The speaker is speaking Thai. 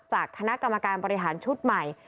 จากคณะกรรมการบริหารชุดใหม่